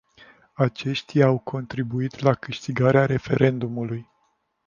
Aceștia au contribuit la câștigarea referendumului.